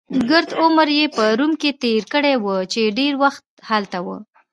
ګرد عمر يې په روم کې تېر کړی وو، چې ډېر وخت هلته و.